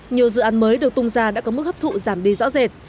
nhiều dự án mới được tung ra đã có mức hấp thụ giảm đi rõ rệt